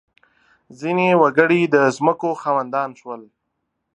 • ځینې وګړي د ځمکو خاوندان شول.